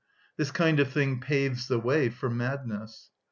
This kind of thing paves the way for madness.